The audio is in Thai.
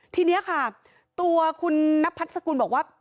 ทีนี้ค่ะตัวคุณนพัฒน์สกุลบอกว่า